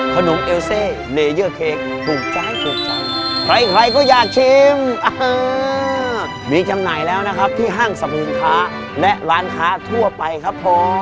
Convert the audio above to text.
เอลเซเนเยอร์เค้กถูกใจถูกใจใครใครก็อยากชิมมีจำหน่ายแล้วนะครับที่ห้างสรรพสินค้าและร้านค้าทั่วไปครับผม